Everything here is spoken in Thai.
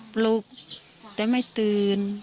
ปลุกแต่ไม่ตื่น